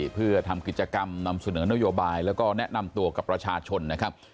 เพื่อทำกิจกรรมนำเสนอนโยบายแล้วก็แนะนำตัวกับประชาชนนะครับ